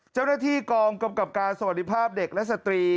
เจ้าหน้าที่กองกำกับการสวัสดีภาพเด็กและสตรี